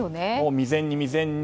未然に未然に。